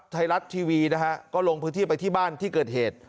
ไทยรัฐทีวีนะฮะก็ลงพื้นที่ไปที่บ้านที่เกิดเหตุ